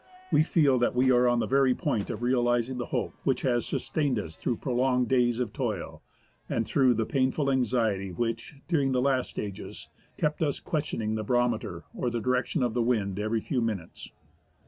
We feel that we are on the very point of realizing the hope which has sustained us through prolonged days of toil and through the painful anxiety which, during the last stages, kept us questioning the barometer or the direction of the wind every few minutes.